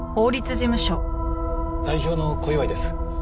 代表の小祝です。